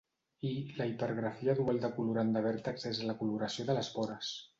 I, la hipergrafia dual de colorant de vèrtex és la coloració de les vores.